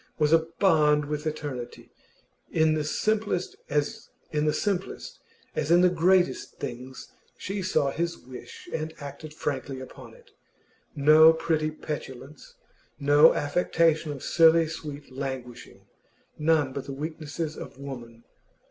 was a bond with eternity. In the simplest as in the greatest things she saw his wish and acted frankly upon it. No pretty petulance, no affectation of silly sweet languishing, none of the weaknesses of woman.